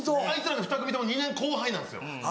あいつらが２組とも２年後輩なんですよ。